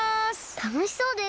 たのしそうです。